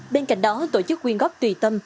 bên cạnh đó tổ chức quyên góp tùy tâm